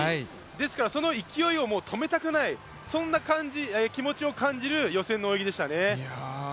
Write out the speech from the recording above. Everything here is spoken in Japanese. ですから、その勢いを止めたくないそんな気持ちを感じる予選の泳ぎでしたね。